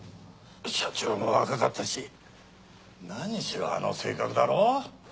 社長も若かったし何しろあの性格だろ。